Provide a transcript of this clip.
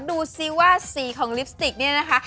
ดูซิว่าสีของลิปสติกเนี่ยนะคะ